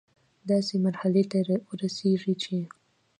داسي مرحلې ته ورسيږي چي